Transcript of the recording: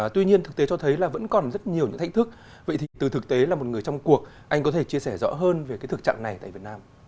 tuy nhiên thực tế cho thấy là vẫn còn rất nhiều những thách thức vậy thì từ thực tế là một người trong cuộc anh có thể chia sẻ rõ hơn về cái thực trạng này tại việt nam